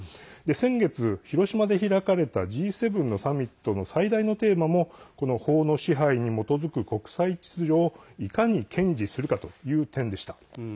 先月、広島で開かれたＧ７のサミットの最大のテーマもこの法の支配に基づく国際秩序をいかに堅持するかという点でした。